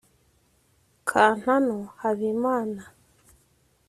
Kantano Habimana